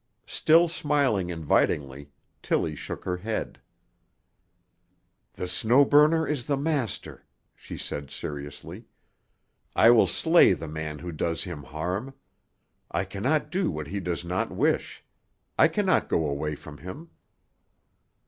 Still smiling invitingly, Tillie shook her head. "The Snow Burner is the master," she said seriously. "I will slay the man who does him harm. I can not do what he does not wish. I can not go away from him."